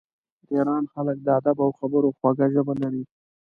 د ایران خلک د ادب او خبرو خوږه ژبه لري.